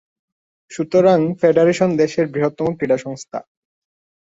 সুতরাং ফেডারেশন দেশের বৃহত্তম ক্রীড়া সংস্থা।